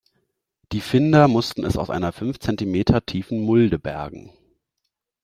Die Finder mussten es aus einer fünf Zentimeter tiefen Mulde bergen.